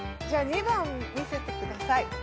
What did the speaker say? じゃあ２番見せてください。